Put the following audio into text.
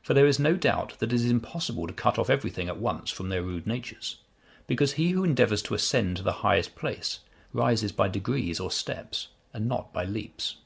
For there is no doubt that it is impossible to cut off every thing at once from their rude natures; because he who endeavours to ascend to the highest place rises by degrees or steps, and not by leaps.